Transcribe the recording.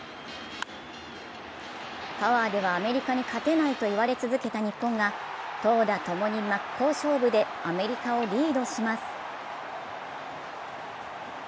パワーではアメリカに勝てないと言われ続けた日本が投打ともに真っ向勝負でアメリカをリードします。